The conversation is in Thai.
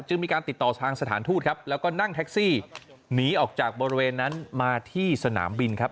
มีการติดต่อทางสถานทูตครับแล้วก็นั่งแท็กซี่หนีออกจากบริเวณนั้นมาที่สนามบินครับ